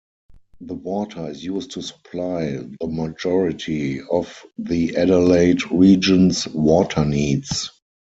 The water is used to supply the majority of the Adelaide region's water needs.